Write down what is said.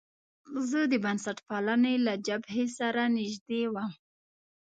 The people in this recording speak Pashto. زه د بنسټپالنې له جبهې سره نژدې وم.